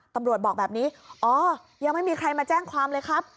ตำรวจบอกแบบนี้อ๋อยังไม่มีใครมาแจ้งความเลยครับ